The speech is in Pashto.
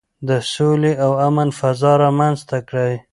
د سولې او امن فضا رامنځته کړئ.